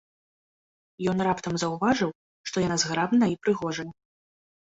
Ён раптам заўважыў, што яна зграбная і прыгожая.